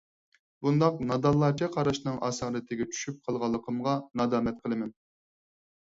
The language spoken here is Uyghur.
بۇنداق نادانلارچە قاراشنىڭ ئاسارىتىگە چۈشۈپ قالغانلىقىمغا نادامەت قىلىمەن.